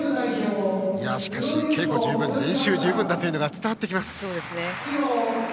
しかし、稽古十分練習十分だというのが伝わってきます。